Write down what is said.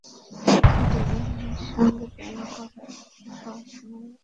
ডীনের মেয়ের সাথে প্রেম করা এতটা সহজ নয়, এমএস।